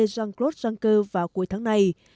jean claude juncker vào cuối tháng này